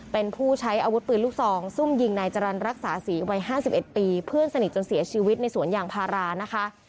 เป็นผู้ใช้อาวุธปืนลูกซองซุ่มยิงนายจรรย์รักษาศรีวัย๕๑ปีเพื่อนสนิทจนเสียชีวิตในสวนยางพารานะคะ